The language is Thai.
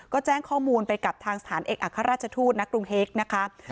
ก็แจ้งข้อมูลไปกับทางสถานเอกอัครราชทูตณกรุงเฮกนะคะ